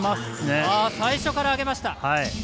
最初から上げました。